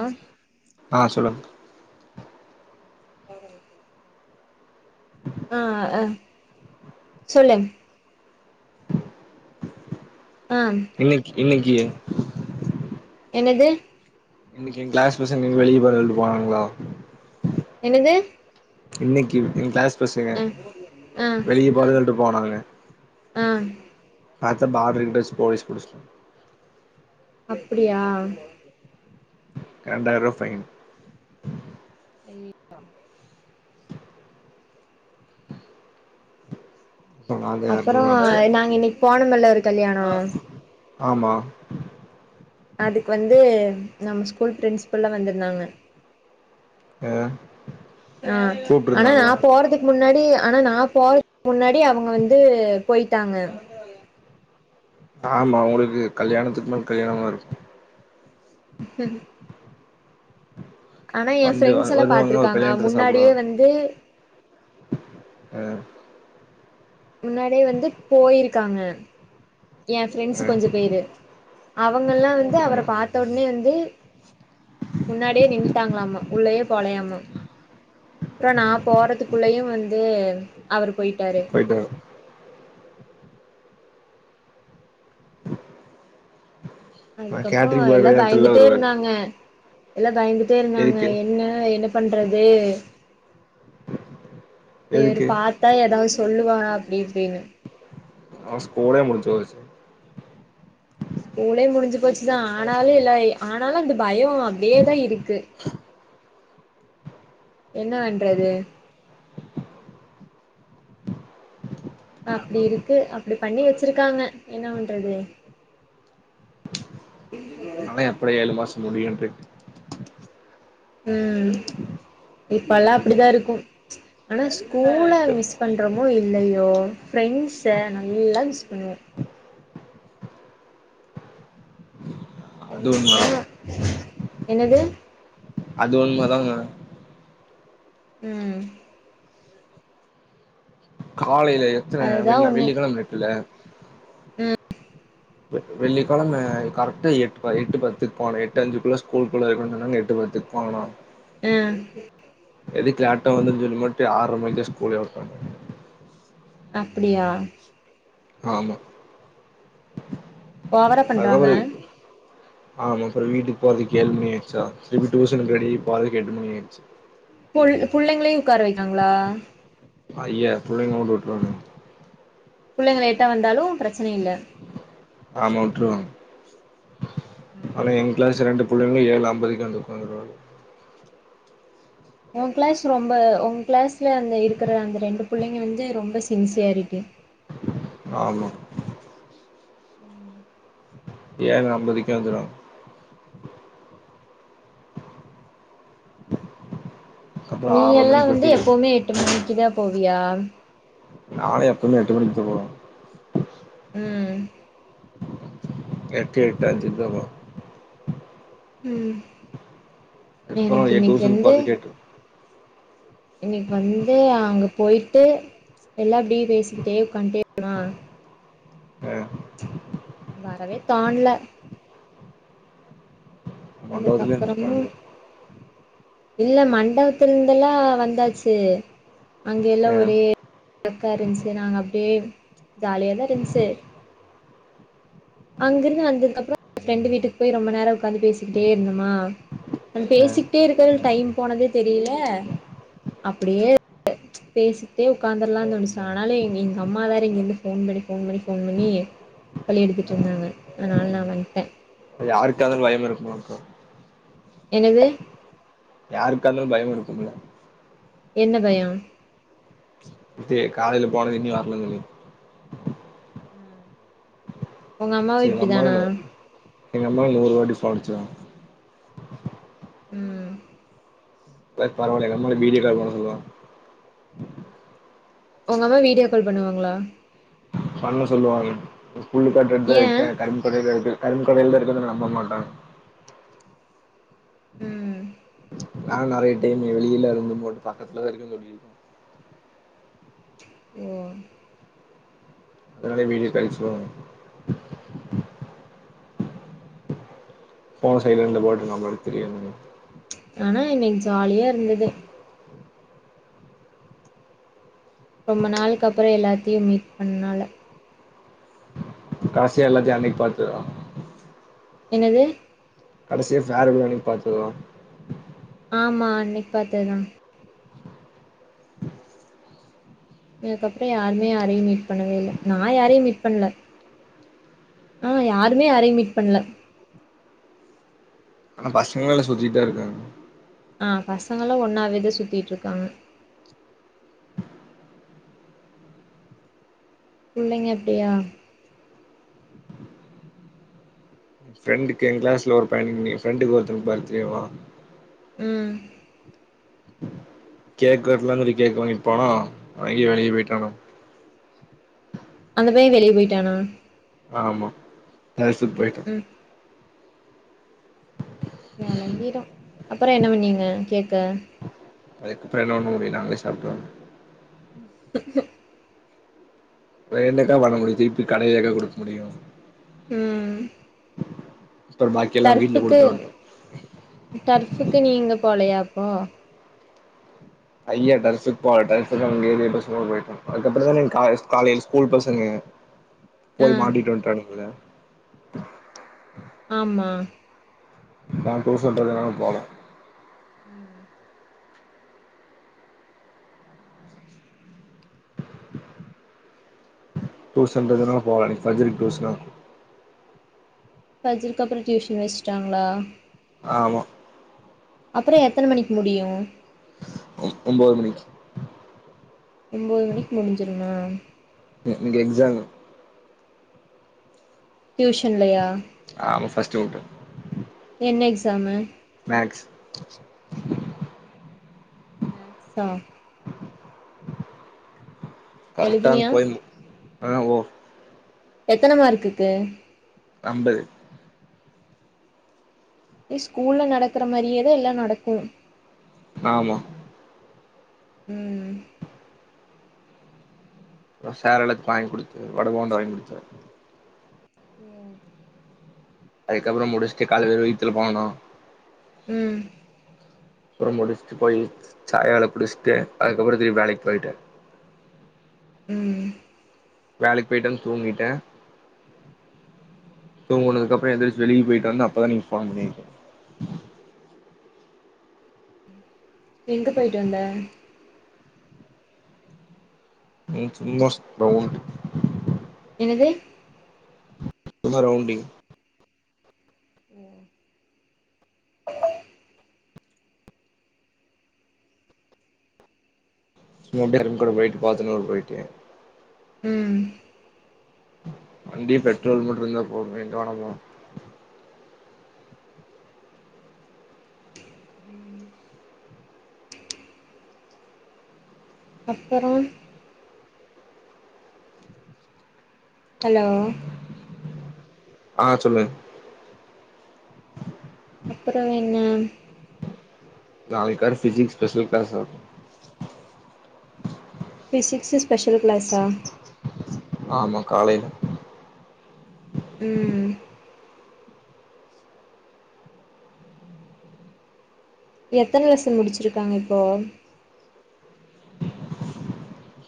ஆ ஆ சொல்லுங்க ஆ ஆ சொல்லுங்க ஆ இன்னக்கி இன்னக்கி என்னது இன்னக்கி ஏ கிளாஸ் பசங்க வெளிய போறேள்ட்டு போனாங்களா என்னது இன்னக்கி ஏ கிளாஸ் பசங்க ஆ ஆ வெளிய போறே சொல்ட்டு போனாங்க ஆ பாத்தா பார்டர்கிட்ட வச்சு போலீஸ் புடுச்சு அப்டியா ரெண்டாயிரூவா ஃபைன் [inaudible] அப்ப நா தா அப்பறோ எரநூறுவா அனுப்ச்சு வுட்டே நாங்க இன்னக்கி போனோமல்ல ஒரு கல்யாணோ ஆமா அதுக்கு வந்து நம்ம ஸ்கூல் பிரின்ஸ்பல்லா வந்துருந்தாங்க ஆ ஆ ஆனா நா கூப்ட்ருந்தாங்களா போறதுக் முன்னாடி ஆனா நா போறதுக்கு முன்னாடி அவுங்க வந்து போயிட்டாங்க ஆமா உங்களுக்கு கல்யாணத்துக்குமே கல்யாணமா இருக்கு ஆனா எ வந்து ஃப்ரெண்ட்ஸ் வ- எல்லா வருவாங்க ஒரு பாத்துருக்காங்க கல்யாணத்துல முன்னாடியே சாப்டுவாங்க வந்து ஆ முன்னாடியே வந்து போயிருக்காங்க எ ஆ ஃப்ரெண்ட்ஸு கொஞ்ச பேரு அவங்கள்லா வந்து ஆ அவர பாத்த ஒடனே வந்து முன்னாடியே நின்ட்டாங்களாமா உள்ளயே போலயாமா அப்ற நா ம் போறதுக்குள்ளயு வந்து அவரு போயிட்டாரு இத ஆ அதுக்கப்றோ கேட்ரிங் பாய் எல்லா கல்யாணத்துலலா பயந்துட்டே வருவாரு இருந்தாங்க எல்லா பயந்துட்டே இருந்தாங்க எதுக்கு என்ன என்ன பண்றது வேறு எதுக்கு பாத்தா எதாது சொல்லுவா அப்டி இப்டினு அவ ஸ்கூலே முடிஞ்சோச்சு ஸ்கூலே முடிஞ்சி போச்சுதா ஆனாலு எல்லாய் ஆனாலு அந்த பயோ அப்டியே தா இருக்கு. என்ன வண்றது அப்டி இருக்கு அப்டி பண்ணி வெச்சிருக்காங்க என்ன வண்றது நாலா எப்படா ஏழு மாசோ முடியுன்ருக்கு ம் இப்பல்லா அப்டி தா இருக்கு ஆனா ஸ்கூல மிஸ் பண்றமோ இல்லயோ ஃப்ரெண்ட்ஸ நல்லா மிஸ் பண்ணுவோ அது உண்ம தா ஃப்ரெண்ட்ஸ்னா என்னது அது உண்ம தாங்க ம் காலைல எத்தன அதுதா வென்ன ஒண்ணு வெள்ளிக்கெழம்ருக்குல்ல ப வெள்ளிக்கழம கரக்ட்டா எட்டு ப எட்டு பத்துக் போனே எட்டு அஞ்சுக்குள்ள ஸ்கூல்க்குள்ள இருக்கனு சொன்னாங்க எட்டு பத்துக் பாக்கலா ஆ எதுக்கு லேட்டா வந்தன் சொல்லிப்போட்டு ஆற்ர மணிக்கு தா ஸ்கூலேவுட்டாங்க அப்டியா ஆமா ஓவரா பண்றாங்க அதுக்கப்றோ ஆமா அப்றோ வீட்டுக் போறதுக் ஏழு மணி ஆய்ட்ச்சா திருப்பி டூசனுக்கு ரெடியாய் போறதுக் எட்டு மணி ஆய்ட்ச்சு புள் புள்ளைங்களையு உக்கார வைக்றாங்களா? அய்ய புள்ளைங்கள மட்டு வுட்ருவாங்க புள்ளைங்க லேட்டா வந்தாலு பிரச்சன இல்ல ஆமாவுட்ருவாங் ஆனா எங்கிளாஸ்ல ரெண்டு புள்ளைங்க ஏழ் அம்பதுக்கே வந்து உக்காந்துருவாங்க உங்கிளாஸ் ரொம்ப உங்கிளாஸ்ல அந்த இருக்கற அந்த ரெண்டு புள்ளைங்க வந்து ரொம்ப சின்சியாரிட்டி ஆமா ஏழ் அம்பதுக்கே வந்துருவாங்க அப்புற நீ ஆறர எல்லா மணிக்கு வந்து விட்டு எப்பவ்மே எட்டு மணிக்கு தா போவியா நாலா எப்பமே எட்டு மணிக்கு தா உள்ள போவ ம் எட்டு எட்டஞ்சுக் தா போவ ம் அதுக்கப்புறம் எனக் ஏன் இன்னிக் டியூஷனுக்கு வந்து போறதுக்கு இன்னிக் வந்து அங்க போய்ட்டு எல்லா அப்டி பேசிக்கிட்டே உக்காந்ட்டே நா அ வரவே தோண்ல மண்டபத்திலே எந்திரிக்க அதுக்கப்றமு வேண்டியது இருக்கு. இல்லயே மண்டவத்துல் இந்தெல்லா வந்தாச்சு அங்கெல்லா ஆ, ஒரே அக்கா இருந்ச்சு நாங்க அப்டியே ஜாலியா தா இருந்ச்சு அங்கிருந்து வந்ததுக்கப்றோ ஃப்ரெண்டு வீட்டுக் போய் ரொம்ப நேரோ உக்காந்து பேசிக் கிட்டே இருந்தமா நாங் ஆ. பேசிக்ட்டே இருக்கர்துல் டைம் போனதே தெரீல அப்பிடியே [inaudible] பேசிக்ட்டே உக்காந்தர்லானு தோணுச்சு ஆனாலு எங் எங்க அம்மா வேற இங்கிர்ந்து ஃபோன் பண்ணி ஃபோன் பண்ணி ஃபோன் பண்ணி தொல்ல எடுத்துட்ருந்தாங்க அதனால் நா வந்ட்டே அது யாருக்கார்ந்தாலு பயம் இருக்குமுல்லங்க்கா என்னது யாருக்கா இருந்தாலு பயோ இருக்கும்ல என்ன பயோ இது காலைல போனது இன்னு வரலனு சொல்லி உங்க அம்மாவு செரி எங்க அம்மா இப்டிதானா எங்க அம்மா நூறு வாட்டி ஃபோன் அடிச்சுருவாங்க ம் இதெல்லா பரவால்ல எங்க அம்மா எல்லா வீடியோ கால் பண்ண சொல்லுவாங்க உங்க அம்மா வீடியோ கால் பண்ணுவாங்ளா பண்ண சொல்லுவாங்க புல்லு காட்டு கிட்ட ஏ இருக்க கரும்பு கட கிட்ட இருக்க கரும்பு கடையில தா இருக்கனு சொன்னா நம்ப மாட்டாங்க ம் நானு நெறைய டைம் வெளியெல்லா இருந்து போட்டு பக்கத்துலதா இருக்க சொல்லீருக்க ஓ அதனாலே வீடியோ கால் பண்ண சொல்லுவாங்க ஃபோன சைலண்ட்ல போட்டு நா பாட்டுக்கு தெரியா இருந்துருவ ஆனா இன்னிக்கு ஜாலியா இருந்தது ரொம்ப நாள்க்கு அப்றோ எல்லாத்தியு மீட் பண்ணனால காசியா எல்லாத்தி அன்னிக்கு பாத்ததா என்னது கடைசியா ஃபேர்வல் அன்னிக்கு பாத்ததா ஆமா அன்னிக்கு பாத்ததுதா அதுக்கப்றோ யாருமே யாரயு மீட் பண்ணவே இல்ல நா யாரையு மீட் பண்ணல அ யாருமே யாரயு மீட் பண்ல ஆனா பசங்கள்ளா எல்லா சுத்திட்டுதா இருக்காங்க அ பசங்கெல்லா ஒன்னாவேதா சுத்திட்டு இருக்காங்க புள்ளிங்க அப்டியா ஏ ஃப்ரெண்டுக்கு ஏ கிளாஸ்ல ஒரு பையனுக்கு ஏ ஃப்ரெண்டுக்கு ஒருத்தருக்கு ப பா்த்டேவா ம் கேக் வெட்டலானு கேக் வாங்கிட்டு போனோ அவ எங்கயோ வெளிய போய்ட்டானாமா அந்த பைய வெளிய போய்ட்டானா ஆமா கிளாசுக்கு போயிட்ட ம் வெளங்கிரு அப்றோ என்ன பண்ணீங்க கேக்க அதுக்கப்றோ என்ன பண்ண முடியு நாங்களே சாப்ட்டே [unintelligible] வேற என்னக்கா பண்ண முடியு தூக்கீட்டு போய் கடையிலயா குடுக்க முடியு ம் அப்புறோ பாக்கி எல்லா வீட்ல பர்ஸ்சுக்கு குடுத்துருவன்ட்டோ பர்ஸ்சுக்கு நீங்க போலையாக்கு [unintelligible] அதுக்கப்றோ தானே காலைல ஸ்கூல் பசங்க ஆ போய் மாட்டிட்டு வன்ட்டானுங்கள ஆமா நா புதுசுன்றதால போல ம் புதுசுன்றதால போல [unintelligible] [unintelligible] இதுக்கப்றோ டியூஷன் வெச்சுட்டாங்ளா ஆமா அப்றோ எத்தன மணிக்கு முடியு ஒம்போது மணிக்கு ஒம்போது மணிக்கு முடிஞ்சிரும்மா இங்க எக்சாமு டியூஷன்லயா ஆமா பஸ்ட்டு [unintelligible] என்ன எக்ஸாமு மேக்ஸ் மேக்ஸா கரெக்டா அந் எழுதுனியா கோயில் ஆ ஓ எத்தன மார்க்குக்கு அம்பது ஏ ஸ்கூல்ல நடக்கற மாரியேதா எல்லா நடக்கும் ஆமா ம் அப்ரோ சார் எனக்கு வாயிங்க் குடுத்து வட போன்டா வாயிங்க்குடுத்தாரு உம் அதுக்கப்பறம் முடிச்சுட்டு காலேல வீட்டுக்கு போனோ ம் அப்பறம் முடிச்சுட்டு போய் சாயால குடிச்சிட்டு அதுக்கப்ரோ திருப்பி வேலைக்கு போயிட்டே ம் வேலைக்கு போயிட்டு வந்து தூங்கிட்டேன் தூங்குனது அப்பறம் எந்திரிச்சு வெளில போயிட்டு வந்து அப்ப தா நீங்க ஃபோன் பண்ணிருக்கீங்க எங்க போயிட்டு வந்த சும்மா ஓரு ரவுண்டு என்னது சும்மா ரவுண்டிங் ம் சும்மா அப்டியே பிரண்டோட போயிட்டு பாத்துன் வர போயிட்டே ம் வண்டி பெட்ரோல் போட்டுருந்தா போது எங்க வேணா போலா அப்பறம் ஹலோ ஆ சொல்லு அப்பறம் என்ன நாளைக்கு வேற physics special class physics special கிளஸா ஆமா காலேல ம் எத்தன லெசன் முடிச்சிருகாங்க இப்போ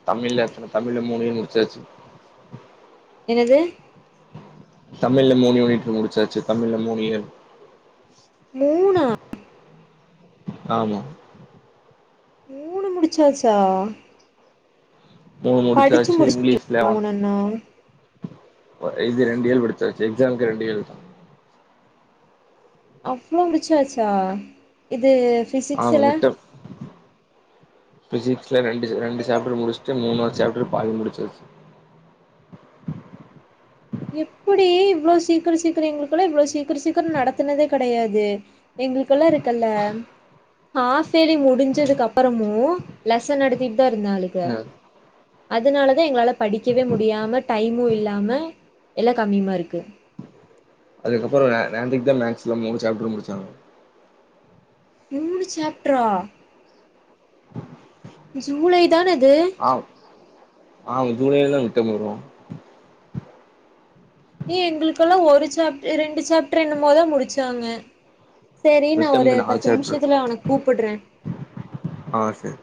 தமிழ்ல எத்தன தமிழ்ல மூணே முடிச்சாச்சு என்னது தமிழ்ல மூணு யூனிட் முடுச்சாச்சு தமிழ்ல மூணு யூனிட் மூணா ஆமா மூணு முடிச்சாச்சா மூணு படிச்சு முடுச்சச்சு முடிச்சு இங்கிலீஷ்ல மூணுன்னா இது ரெண்டு எல் படிச்சாச்சு எக்ஸாம்க்கு ரெண்டு எல் தா அவ்ளோ முடிச்சாச்சா இது ஆமா ஃபிசிக்ஸ்ல ஃபிசிக்ஸ்ல ரெண்டு ரெண்டு சேப்டர் முடிஸ்டு மூணாது சேப்டர் பாதி முடிச்சாச்சு எப்புடி இவ்ளோ சீக்கர சீக்கரம் எங்குளுகலா இவ்ள சீக்கர சீக்கரம் நடத்துனதே கடையாதே எங்களுகல்லா இருக்கல்ல ஹாப்பேலி முடிஞ்சதுக்கு அப்பறமு லெசன் நடதிட்டு தா இருந்தாளுக ஆ அதனால தா எங்களால படிக்கவே முடியாம டைமு இல்லாம எல்லா கம்மி மார்க்கு அதுகப்புறோங்க நேத்திகு தா மேக்ஸ்ல மூணு சேப்டர் முடிசாங்க மூணு சேப்ட்ர்ரா ஜூலை தான இது ஆ‌ ஆமா ஜுலைல தா மிட்டம் வரு ஏ எங்களுகெல்லா ஒரு சேப்டர் ரெண்டு சேப்டர் என்னமோதா முடிசாங்க சேரி நா ஒரு மிட்டம்க்கு நாலு பத்து சாப்டர் நிமிஷதுல உனக்கு கூப்புட்ற அ சரி